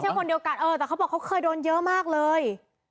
ไม่ใช่คนเดียวกันแต่เขาบอกเขาเคยโดนเยอะมากเลย